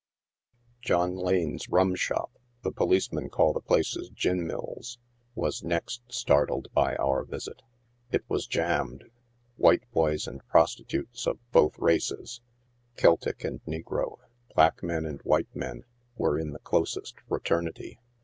" John Lane's rum shop" — the policemen call the places gin mills — was next startled by our visit. It was jammed. White boys and prostitutes of both races — Celtic and Negro — black men and white men, were in the closest fraternity.